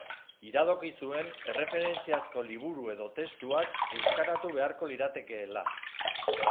Iradoki zuen erreferentziazko liburu edo testuak euskaratu beharko liratekeela.